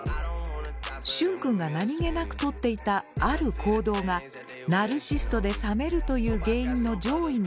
シュンくんが何気なくとっていたある行動がナルシストで冷めるという原因の上位にランクインしていました。